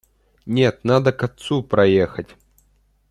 Нет, надо к отцу проехать.